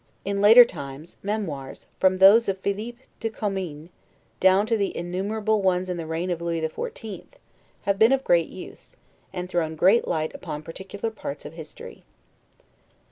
In later times, memoirs, from those of Philip de Commines, down to the innumerble ones in the reign of Louis the Fourteenth, have been of great use, and thrown great light upon particular parts of history.